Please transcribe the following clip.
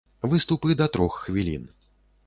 Выступы да трох хвілін.